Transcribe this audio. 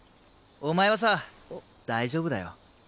お前はさ大丈夫だよ。